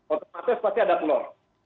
otomatis pasti ada telur